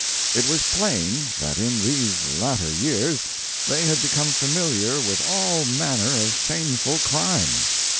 It was plain that in these latter years they had become familiar with all manner of shameful crimes.